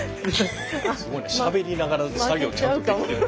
すごいなしゃべりながら作業ちゃんとできてる。